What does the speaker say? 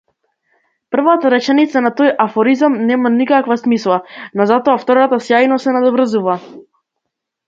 Првата реченица на тој афоризам нема никаква смисла, но затоа втората сјајно се надоврзува.